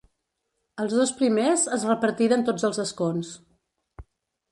Els dos primers es repartiren tots els escons.